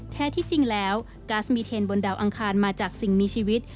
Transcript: แท้ที่จริงแล้วก๊าซมีเทนบนดาวอังคารมาจากสิ่งมีชีวิต